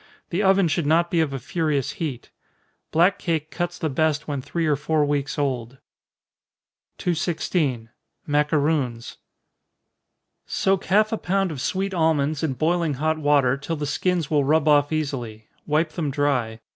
The oven should not be of a furious heat. Black cake cuts the best when three or four weeks old. 216. Maccaroons. Soak half a pound of sweet almonds in boiling hot water, till the skins will rub off easily wipe them dry.